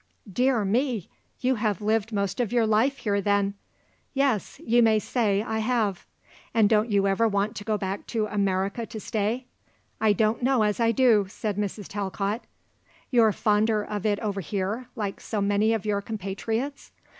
"Dear me; you have lived most of your life here, then." "Yes; you may say I have." "And don't you ever want to go back to America to stay?" "I don't know as I do," said Mrs. Talcott. "You're fonder of it over here, like so many of your compatriots?"